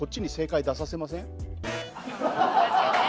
確かにね。